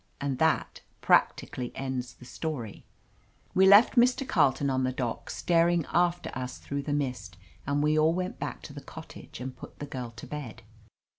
And that practically ends the story. We left Mr. Carleton on the dock, staring after us through the mist, and we all went back to the cottage and put the girl to bed.